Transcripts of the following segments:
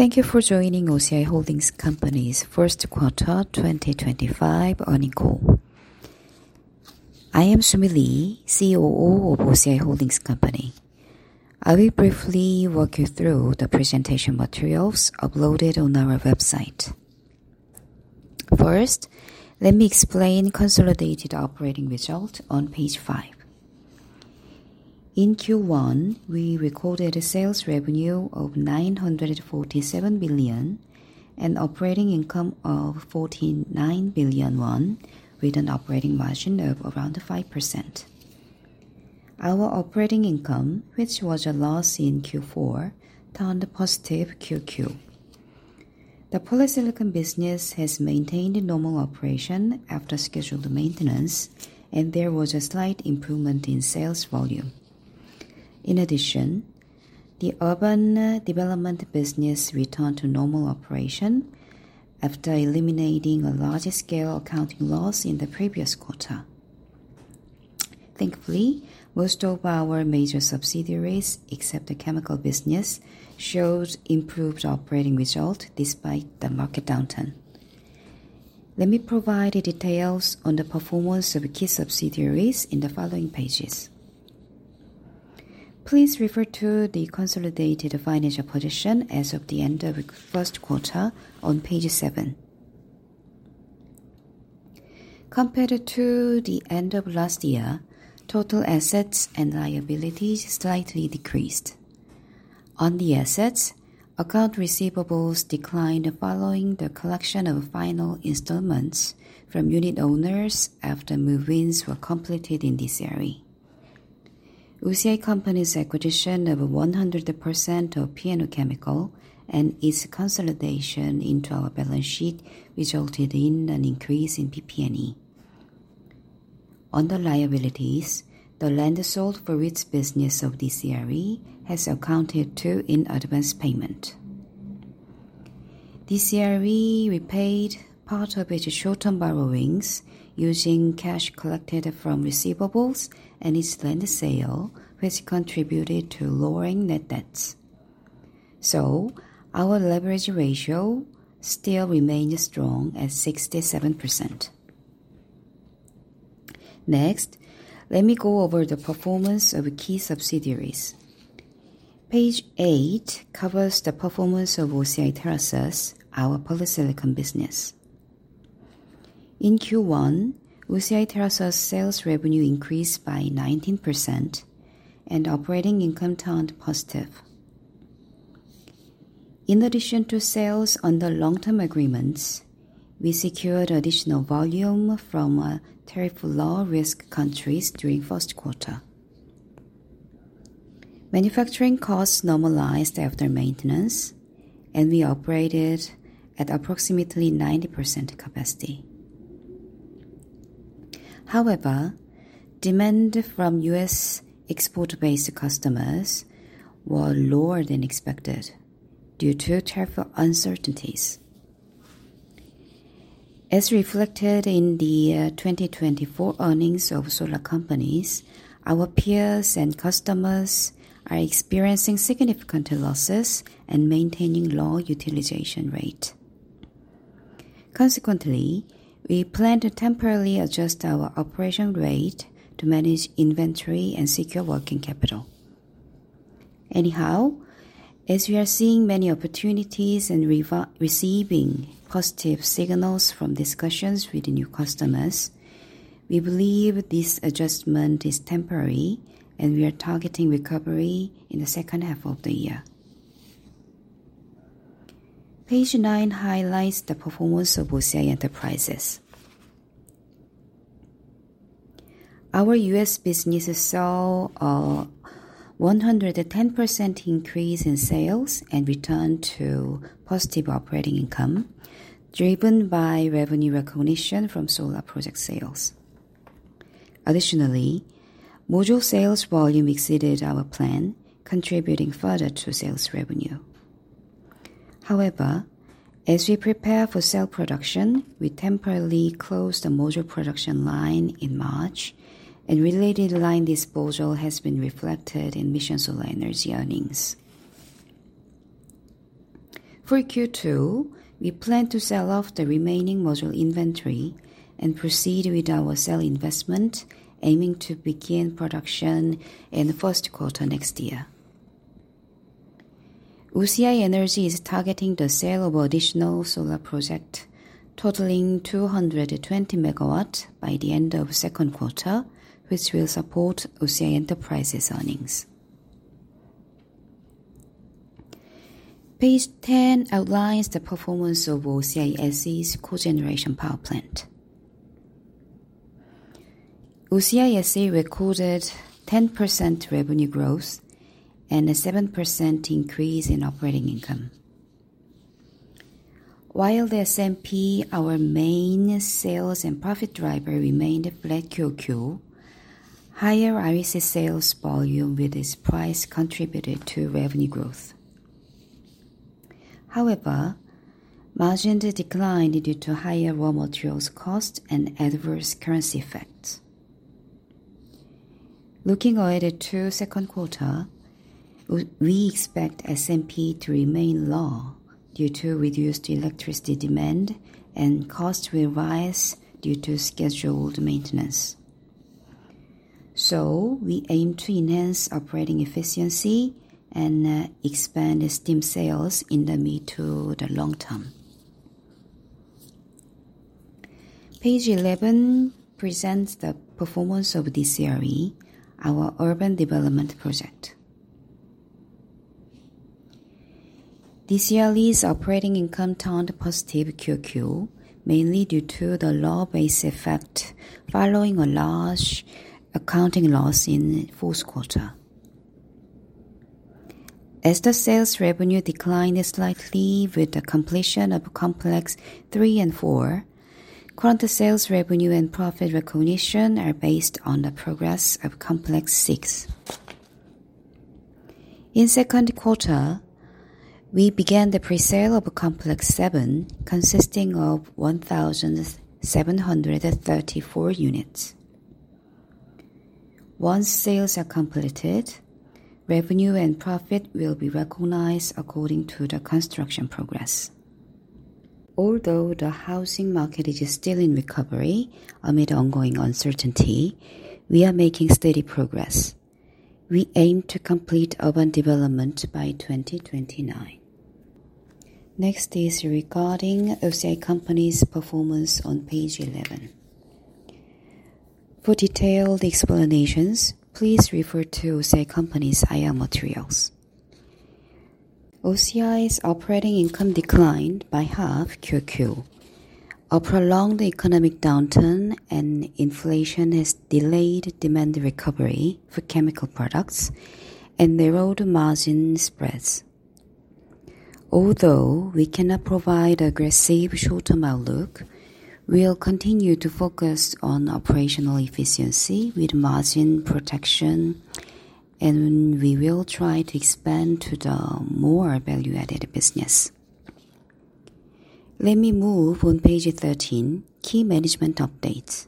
Thank you for joining OCI Holdings Company's First Quarter 2025 Earning Call. I am Su Mi Lee, COO of OCI Holdings Company. I will briefly walk you through the presentation materials uploaded on our website. First, let me explain consolidated operating result on page five. In Q1, we recorded a sales revenue of 947 billion and operating income of 49 billion won, with an operating margin of around 5%. Our operating income, which was a loss in Q4, turned positive QoQ. The polysilicon business has maintained normal operation after scheduled maintenance, and there was a slight improvement in sales volume. In addition, the urban development business returned to normal operation after eliminating a large-scale accounting loss in the previous quarter. Thankfully, most of our major subsidiaries, except the chemical business, showed improved operating result despite the market downturn. Let me provide details on the performance of key subsidiaries in the following pages. Please refer to the consolidated financial position as of the end of the first quarter on page seven. Compared to the end of last year, total assets and liabilities slightly decreased. On the assets, accounts receivables declined following the collection of final installments from unit owners after move-ins were completed in this area. OCI Company's acquisition of 100% of P&O Chemical and its consolidation into our balance sheet resulted in an increase in PP&E. On the liabilities, the land sold for its business of this area has accounted to in advance payment. This area repaid part of its short-term borrowings using cash collected from receivables and its land sale, which contributed to lowering net debts. Our leverage ratio still remains strong at 67%. Next, let me go over the performance of key subsidiaries. Page eight covers the performance of OCI TerraSus, our polysilicon business. In Q1, OCI TerraSus sales revenue increased by 19%, and operating income turned positive. In addition to sales under long-term agreements, we secured additional volume from tariff-low-risk countries during the first quarter. Manufacturing costs normalized after maintenance, and we operated at approximately 90% capacity. However, demand from U.S. export-based customers was lower than expected due to tariff uncertainties. As reflected in the 2024 earnings of solar companies, our peers and customers are experiencing significant losses and maintaining low utilization rate. Consequently, we plan to temporarily adjust our operation rate to manage inventory and secure working capital. Anyhow, as we are seeing many opportunities and receiving positive signals from discussions with new customers, we believe this adjustment is temporary, and we are targeting recovery in the second half of the year. Page nine highlights the performance of OCI Enterprises. Our U.S. business saw a 110% increase in sales and returned to positive operating income, driven by revenue recognition from solar project sales. Additionally, module sales volume exceeded our plan, contributing further to sales revenue. However, as we prepare for cell production, we temporarily closed the module production line in March, and related line disposal has been reflected in Mission Solar Energy earnings. For Q2, we plan to sell off the remaining module inventory and proceed with our cell investment, aiming to begin production in the first quarter next year. OCI Energy is targeting the sale of additional solar projects totaling 220 MW by the end of the second quarter, which will support OCI Enterprises' earnings. Page 10 outlines the performance of OCI SE's cogeneration power plant. OCI SE recorded 10% revenue growth and a 7% increase in operating income. While the SMP, our main sales and profit driver, remained flat QoQ, higher REC sales volume with its price contributed to revenue growth. However, margin declined due to higher raw materials cost and adverse currency effects. Looking ahead to the second quarter, we expect SMP to remain low due to reduced electricity demand, and costs will rise due to scheduled maintenance. We aim to enhance operating efficiency and expand steam sales in the mid to the long term. Page 11 presents the performance of DCRE, our urban development project. DCRE's operating income turned positive QoQ, mainly due to the low base effect following a large accounting loss in the fourth quarter. As the sales revenue declined slightly with the completion of Complex 3 and 4, current sales revenue and profit recognition are based on the progress of Complex 6. In the second quarter, we began the pre-sale of Complex 7, consisting of 1,734 units. Once sales are completed, revenue and profit will be recognized according to the construction progress. Although the housing market is still in recovery amid ongoing uncertainty, we are making steady progress. We aim to complete urban development by 2029. Next is regarding OCI Company's performance on page 11. For detailed explanations, please refer to OCI Company's IR materials. OCI's operating income declined by half QoQ. A prolonged economic downturn and inflation has delayed demand recovery for chemical products and narrowed margin spreads. Although we cannot provide an aggressive short-term outlook, we will continue to focus on operational efficiency with margin protection, and we will try to expand to the more value-added business. Let me move on page 13, key management updates.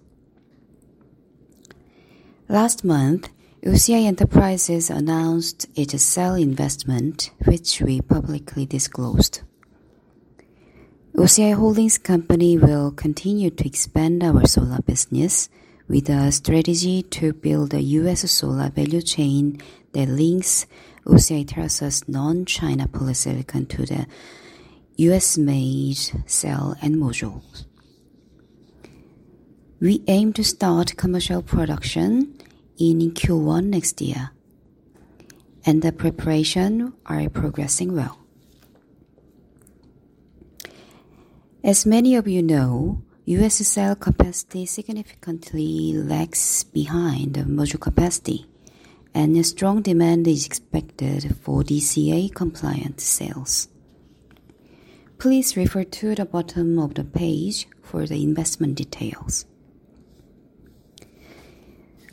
Last month, OCI Enterprises announced its cell investment, which we publicly disclosed. OCI Holdings Company will continue to expand our solar business with a strategy to build a U.S. solar value chain that links OCI TerraSus non-China polysilicon to the U.S.-made cell and modules. We aim to start commercial production in Q1 next year, and the preparations are progressing well. As many of you know, U.S. cell capacity significantly lags behind module capacity, and strong demand is expected for DCA-compliant cells. Please refer to the bottom of the page for the investment details.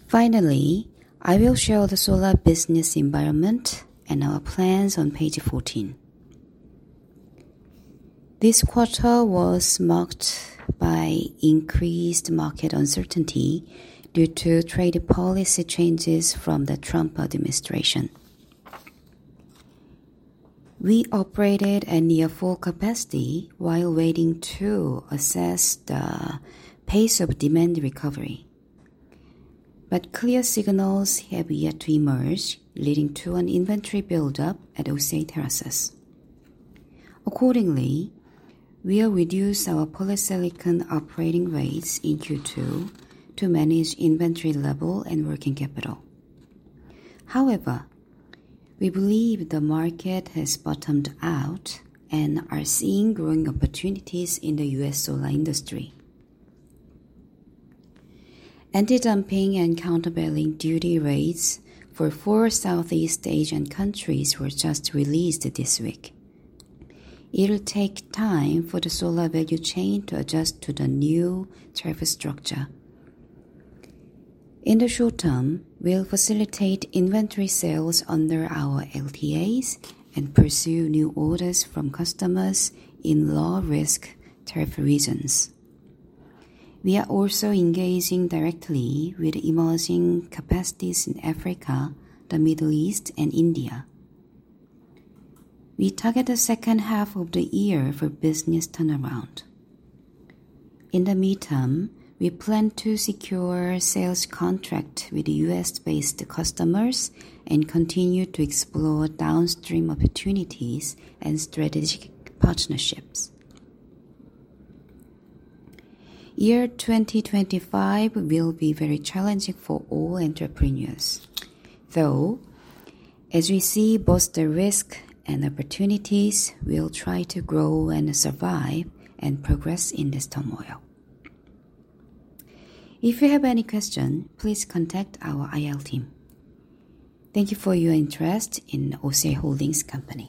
Finally, I will show the solar business environment and our plans on page 14. This quarter was marked by increased market uncertainty due to trade policy changes from the Trump administration. We operated at near-full capacity while waiting to assess the pace of demand recovery, but clear signals have yet to emerge, leading to an inventory buildup at OCI TerraSus. Accordingly, we will reduce our polysilicon operating rates in Q2 to manage inventory level and working capital. However, we believe the market has bottomed out and are seeing growing opportunities in the U.S. solar industry. Anti-dumping and countervailing duty rates for four Southeast Asian countries were just released this week. It will take time for the solar value chain to adjust to the new tariff structure. In the short term, we'll facilitate inventory sales under our LTAs and pursue new orders from customers in low-risk tariff regions. We are also engaging directly with emerging capacities in Africa, the Middle East, and India. We target the second half of the year for business turnaround. In the meantime, we plan to secure sales contracts with U.S.-based customers and continue to explore downstream opportunities and strategic partnerships. Year 2025 will be very challenging for all entrepreneurs, though, as we see both the risks and opportunities, we will try to grow and survive and progress in this turmoil. If you have any questions, please contact our IR team. Thank you for your interest in OCI Holdings Company.